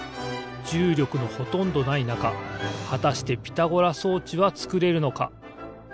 じゅうりょくのほとんどないなかはたしてピタゴラ装置はつくれるのか？